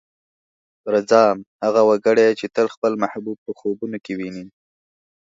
رځام: هغه وګړی چې تل خپل محبوب په خوبونو کې ويني.